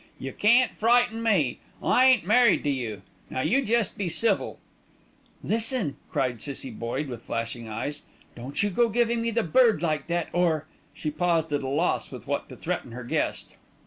"You can't frighten me, I ain't married to you. Now you jest be civil." "Listen!" cried Cissie Boye with flashing eyes. "Don't you go giving me the bird like that, or " She paused at a loss with what to threaten her guest.